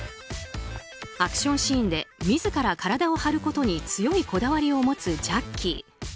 アクションシーンで自ら体を張ることに強いこだわりを持つジャッキー。